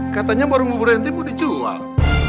katanya warung buburan saya mau dijual